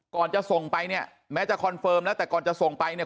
ก่อนจะส่งไปเนี่ยแม้จะคอนเฟิร์มแล้วแต่ก่อนจะส่งไปเนี่ย